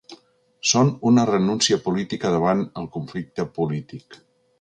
Són una renúncia política davant el conflicte polític.